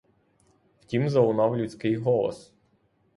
Втім залунав людський голос.